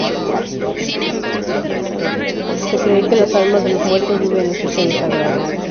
Se cree que las almas de los muertos viven en su seno sagrado.